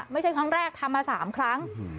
ไม่ใช่ครั้งแรกทำมา๓ครั้ง